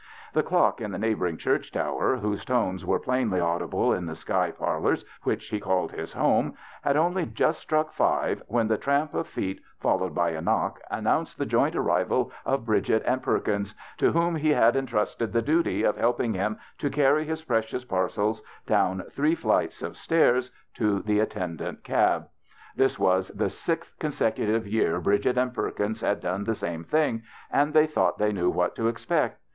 The clock in the neighboring church tower, whose tones were plainly audible in the sky parlors which he called his home, had only just struck five w^hen the tramp of feet fol lowed by a knock announced the joint arrival of Bridget and Perkins, to whom he had in trusted the duty of helping him to carry his precious parcels down three flights of stairs 8 THE BACHELOR'S CHRISTMAS to the attendant cab. This was the sixth consecutive year Bridget and Perkins had done the same thing, and they thought they knew what to expect.